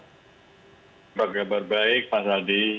apa kabar baik pak hadi